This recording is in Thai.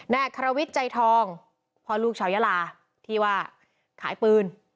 อัครวิทย์ใจทองพ่อลูกชาวยาลาที่ว่าขายปืน